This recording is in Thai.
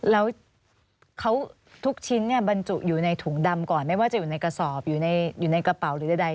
แล้วทุกชิ้นบรรจุอยู่ในถุงดำก่อนไม่ว่าจะอยู่ในกระสอบอยู่ในกระเป๋าหรือใด